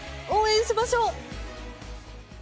応援しましょう！